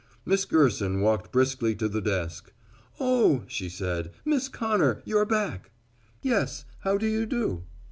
Miss Gerson walked briskly to the desk. "Oh," she said, "Miss Connor, you're back." "Yes. How do you do!"